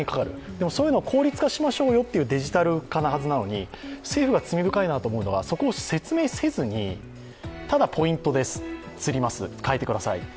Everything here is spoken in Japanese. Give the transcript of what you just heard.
でも、そういうのを効率化しましょうよというのがデジタル化なはずなのに政府が罪深いなと思うのはそこを説明せずにただポイントです釣ります、変えてください